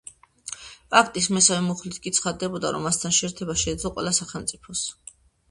პაქტის მესამე მუხლით კი ცხადდებოდა, რომ მასთან შეერთება შეეძლო ყველა სახელმწიფოს.